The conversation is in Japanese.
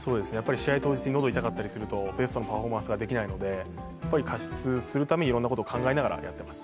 試合当日に喉が痛かったりするとベストなパフォーマンスができないので加湿するためにいろいろなことを考えながらやってます。